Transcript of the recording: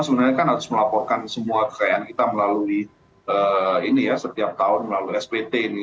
sebenarnya kan harus melaporkan semua kekayaan kita melalui ini ya setiap tahun melalui spt ini